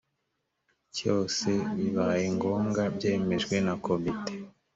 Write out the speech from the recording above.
cyose bibaye ngombwa byemejwe na komite